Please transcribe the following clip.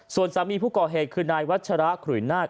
ส่วนสามีผู้ก่อเหตุคือนายวัชระขุยนาค